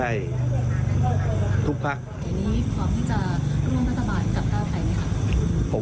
อันนี้ความที่จะร่วมพัฒนาสบายกับก้าวไกลไหมครับ